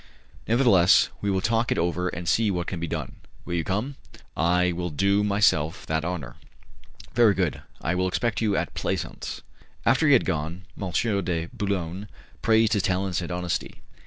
Nevertheless, we will talk it over and see what can be done. Will you come?" "I will do myself that honour." "Very good, I will expect you at Plaisance." After he had gone, M. de Boulogne praised his talents and honesty.